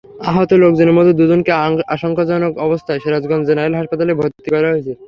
আহত লোকজনের মধ্যে দুজনকে আশঙ্কাজনক অবস্থায় সিরাজগঞ্জ জেনারেল হাসপাতালে ভর্তি করা হয়েছে।